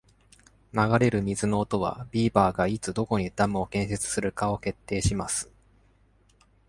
流れる水の音は、ビーバーがいつ、どこにダムを建設するかを決定します。